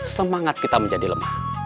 semangat kita menjadi lemah